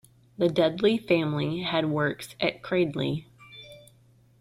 The Dudley family had works at Cradley.